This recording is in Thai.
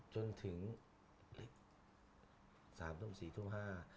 จนถึงเล็กสามทุ่มสี่ทุ่มห้า